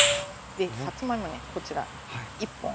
さつまいもねこちら１本。